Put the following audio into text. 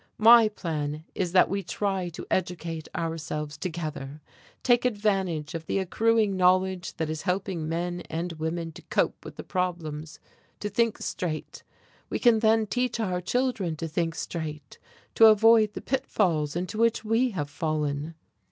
My plan is that we try to educate ourselves together, take advantage of the accruing knowledge that is helping men and women to cope with the problems, to think straight. We can then teach our children to think straight, to avoid the pitfalls into which we have fallen."